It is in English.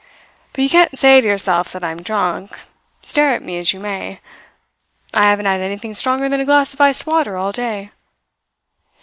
But you can't say to yourself that I am drunk, stare at me as you may. I haven't had anything stronger than a glass of iced water all day.